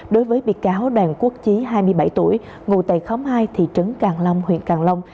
đối với bị cáo đoàn quốc chí hai mươi bảy tuổi ngụ tài khóng hai thị trấn càng long huyện càng long